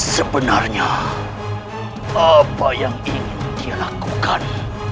sebenarnya apa yang ingin dia lakukan